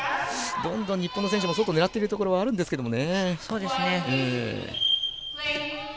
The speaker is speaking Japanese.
どんどん日本の選手も外狙ってるところはあるんですけれどもね。